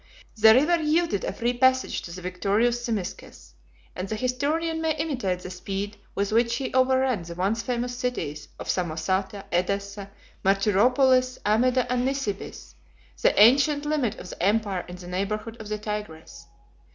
The river yielded a free passage to the victorious Zimisces; and the historian may imitate the speed with which he overran the once famous cities of Samosata, Edessa, Martyropolis, Amida, 116 and Nisibis, the ancient limit of the empire in the neighborhood of the Tigris.